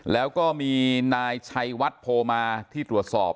แล้วก็มีนายชัยวัดโพมาที่ตรวจสอบ